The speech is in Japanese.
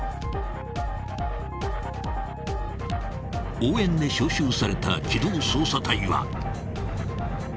［応援で招集された機動捜査隊は］